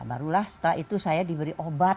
barulah setelah itu saya diberi obat